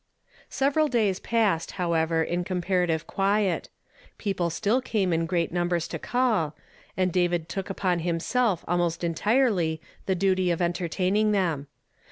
Several days passed, however, in comparative quiet. People still came in great numbei s to call, and David took upon himself almost entirely the duty of entertaining them.